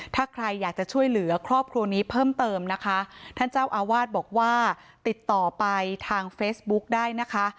ถ้าใครอยากจะช่วยเหลือครอบครัวนี้เพิ่มเติมนะคะท่านเจ้าอาวาสบอกว่าติดต่อไปทางเฟซบุ๊กได้นะคะ